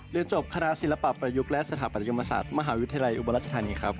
เรียนจบคณะศิลปะประยุกต์และสถาปัตยมศาสตร์มหาวิทยาลัยอุบลรัชธานีครับ